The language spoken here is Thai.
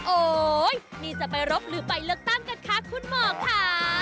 โอ๊ยนี่จะไปรบหรือไปเลือกตั้งกันคะคุณหมอค่ะ